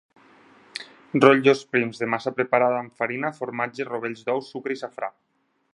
Rotllos prims de massa preparada amb farina, formatge, rovells d'ou, sucre i safrà.